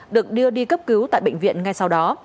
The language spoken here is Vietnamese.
được đưa đi cấp cứu tại bệnh viện ngay sau đó